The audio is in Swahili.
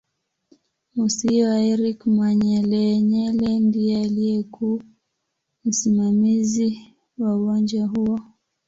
Musiiwa Eric Manyelenyele ndiye aliyekuw msimamizi wa uwanja huo